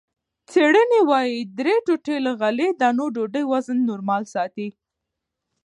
څېړنې وايي، درې ټوټې له غلې- دانو ډوډۍ وزن نورمال ساتي.